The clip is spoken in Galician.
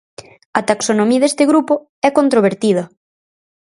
A taxonomía deste grupo é controvertida.